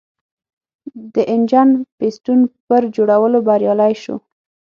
د انجن پېسټون پر جوړولو بریالی شو.